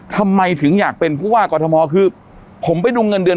ทำไมถึงอยากเป็นผู้ว่ากอทมคือผมไปดูเงินเดือน